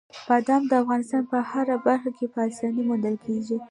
بادام د افغانستان په هره برخه کې په اسانۍ موندل کېږي.